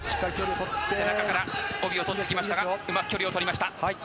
帯を取ってきましたがうまく距離を取りました。